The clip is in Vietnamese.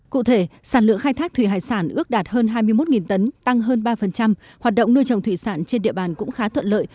cụ thể sản lượng khai thác thủy hải sản ước đạt hơn hai mươi một tấn tăng hơn ba hoạt động nuôi trồng thủy sản trên địa bàn cũng khá thuận lợi